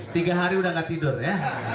tiga hari udah gak tidur ya